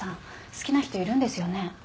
好きな人いるんですよね？